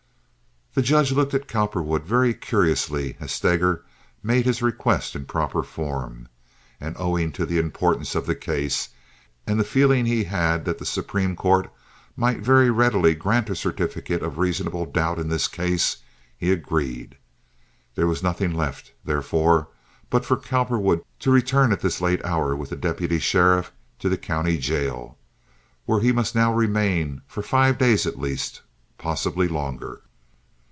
The Judge looked at Cowperwood very curiously as Steger made this request in proper form, and owing to the importance of the case and the feeling he had that the Supreme Court might very readily grant a certificate of reasonable doubt in this case, he agreed. There was nothing left, therefore, but for Cowperwood to return at this late hour with the deputy sheriff to the county jail, where he must now remain for five days at least—possibly longer.